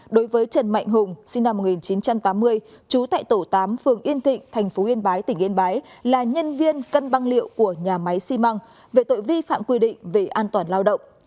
đối với trần mạnh hùng sinh năm một nghìn chín trăm tám mươi trú tại tổ tám phường yên thịnh tp yên bái tỉnh yên bái là nhân viên cân băng liệu của nhà máy xi măng về tội vi phạm quy định về an toàn lao động